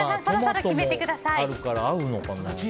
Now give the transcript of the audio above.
トマトもあるから合うのかな。